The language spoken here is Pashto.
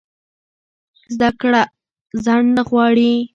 زده کړه ځنډ نه غواړي.